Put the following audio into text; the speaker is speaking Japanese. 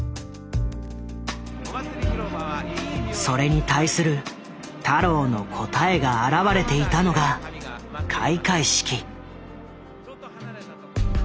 それに対する太郎の答えが表れていたのが開会式。